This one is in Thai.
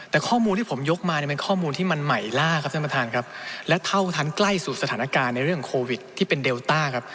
แต่ข้อมูลที่ผมยกมาเป็นข้อมูลที่มันใหม่ร่าและเท่าทันใกล้สุดสถานการณ์ในเรื่องโควิกที่เป็นเดลต้า